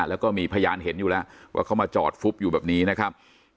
แล้วก็มีพยานเห็นอยู่แล้วว่าเขามาจอดฟุบอยู่แบบนี้นะครับ